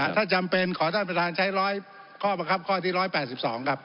ถ้าจำเป็นขอท่านประธานใช้๑๐๐ข้อบังคับข้อที่๑๘๒ครับ